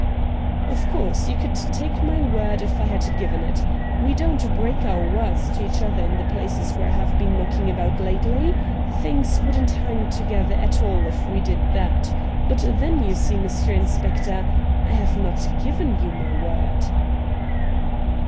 ' Of course, you could take my word if I had given it. We don't break our words to each other in the places where I have been knocking about lately. Things wouldn't hancr together at all if we did that. But then, you see, Mr. Inspector, I have not given you my word.'